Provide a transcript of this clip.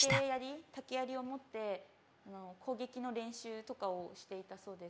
竹やりを持って攻撃の練習とかをしていたそうです。